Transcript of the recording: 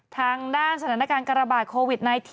ทางด้านสถานการณ์การระบาดโควิด๑๙